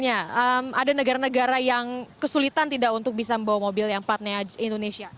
ada negara negara yang kesulitan tidak untuk bisa membawa mobil yang platnya indonesia